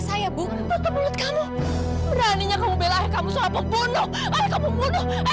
sampai jumpa di video selanjutnya